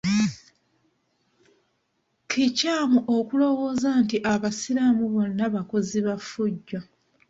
Kikyamu okulowooza nti abayisiraamu bonna bakozi ba ffujjo.